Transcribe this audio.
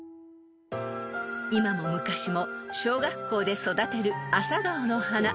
［今も昔も小学校で育てるアサガオの花］